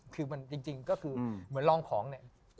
คือมันจริงก็คือเหมือนลองของเนี่ย